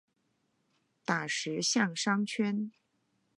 打石巷商圈